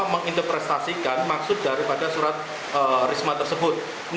menginterprestasikan maksud daripada surat tririsma tersebut